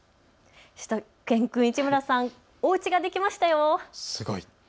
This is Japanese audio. しゅと犬くん、市村さんおうちができましたよ。